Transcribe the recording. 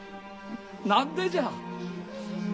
何でじゃ。